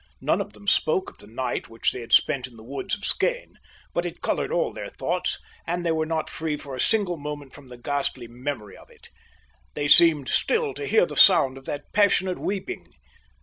None of them spoke of the night which they had spent in the woods of Skene; but it coloured all their thoughts, and they were not free for a single moment from the ghastly memory of it. They seemed still to hear the sound of that passionate weeping.